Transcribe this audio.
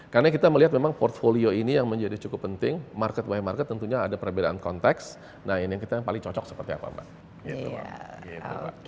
karena kita melihat memang portfolio ini yang menjadi cukup penting market by market tentunya ada perbedaan konteks nah ini yang kita paling cocok seperti apa mbak